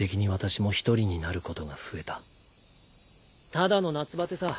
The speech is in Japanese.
ただの夏バテさ。